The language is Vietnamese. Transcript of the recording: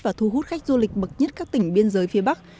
và thu hút khách du lịch bậc nhất các tỉnh biên giới phía bắc